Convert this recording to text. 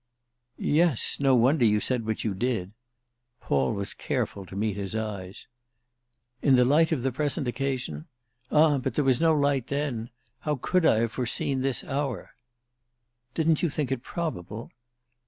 "Yes; no wonder you said what you did"—Paul was careful to meet his eyes. "In the light of the present occasion? Ah but there was no light then. How could I have foreseen this hour?" "Didn't you think it probable?"